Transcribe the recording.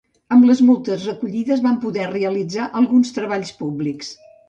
Amb les multes recollides van poder realitzar alguns treballs públics.